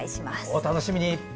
お楽しみに！